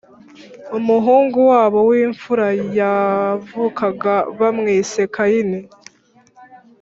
umuhungu wabo w imfura yavukaga bamwise Kayini